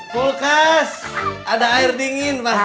kulkas ada air dingin